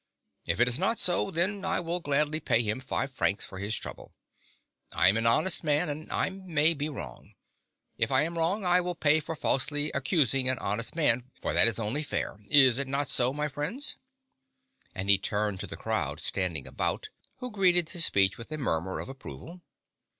If it is not so, then I will gladly pay him five francs for his trouble. I am an honest man, and I may be wrong. If wrong, I will pay for falsely accusing an honest man, for that is only fair. Is it not so, my friends?" And he turned to the crowd standing about, who greeted his speech with a murmur of approval.